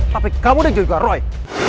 tapi kamu dan juga roy